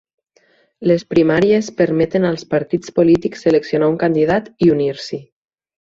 Les primàries permeten als partits polítics seleccionar un candidat i unir-s'hi.